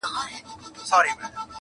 او خپرېږي